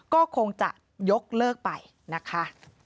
ก็คงจะยกเลิกไปนะคะ